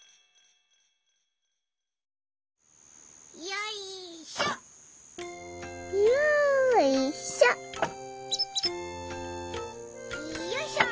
よいしょ！